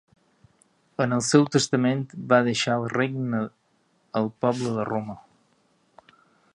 En el seu testament va deixar el regne al poble de Roma.